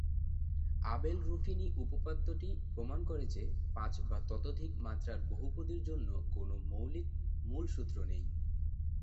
Abel-Ruffini উপপাদ্যটি প্রমাণ করে যে, পাঁচ বা ততোধিক মাত্রার বহুপদীর জন্য কোনও মৌলিক মূল সূত্র নেই।